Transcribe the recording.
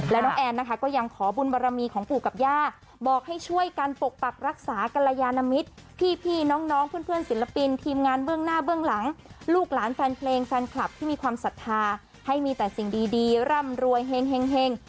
แล้วน้องแอนนะคะก็ยังขอบุญบรมีของปู่กับย่าบอกให้ช่วยกันปกปักรักษากรยานมิตรพี่น้องเพื่อนศิลปินทีมงานเบื้องหน้าเบื้องหลังลูกหลานแฟนเพลงแฟนคลับที่มีความศรัทธาให้มีแต่สิ่งดีร่ำรวยเฮ็ง